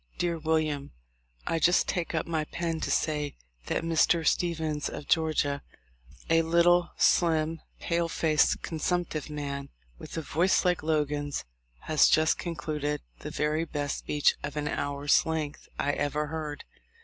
"Dear William : "I just take up my pen to say that Mr. Stephens, of Georgia, a little, slim, pale faced, consumptive man, with a voice like Logan's, has just concluded the very best speech of an hour's length I ever heard.